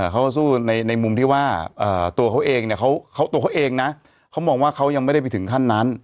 เขาก็สู้ในมุมที่ว่าตัวเขาเองนะเขามองว่าเขายังไม่ได้ไปถึงขั้นนั้น